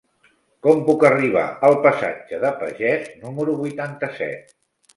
Com puc arribar al passatge de Pagès número vuitanta-set?